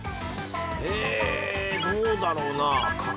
えー、どうだろうな。